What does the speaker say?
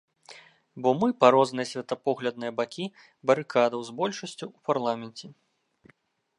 Бо мы па розныя светапоглядныя бакі барыкадаў з большасцю ў парламенце.